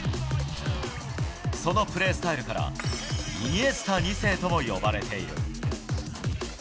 そのプレースタイルからイニエスタ２世とも呼ばれている。